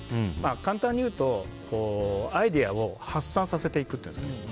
簡単に言うと、アイデアを発散させていくというんですかね。